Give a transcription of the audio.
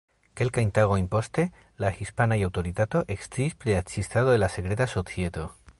Kelkajn tagojn poste la hispanaj aŭtoritatoj eksciis pri la ekzistado de la sekreta societo.